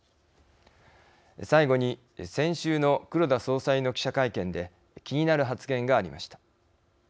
最後に、先週の黒田総裁の記者会見で気になる発言がありました。